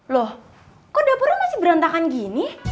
loh kok dapurnya masih berantakan gini